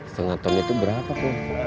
setengah ton itu berapa tuh